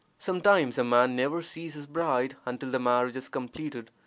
Sometimes a man never sees his bride until the marriage is completed.